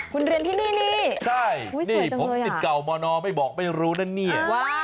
คุณเรียนที่นี่นี่ใช่นี่ผมสิทธิ์เก่ามนไม่บอกไม่รู้นะเนี่ย